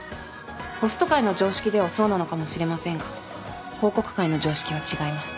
ホスト界の常識ではそうなのかもしれませんが広告界の常識は違います。